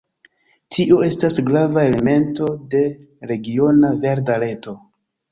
Tio estas grava elemento de regiona verda reto.